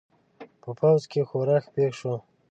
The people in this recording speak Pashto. په پوځ کې ښورښ پېښ شو.